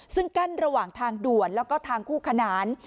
ซึ่งกั้นระหว่างทางด่วนแล้วก็ทางคู่ขนาน